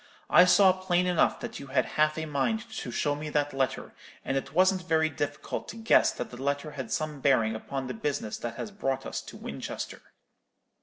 I saw plain enough that you had half a mind to show me that letter; and it wasn't very difficult to guess that the letter had some bearing upon the business that has brought us to Winchester.'